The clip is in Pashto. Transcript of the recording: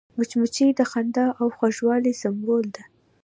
مچمچۍ د خندا او خوږوالي سمبول ده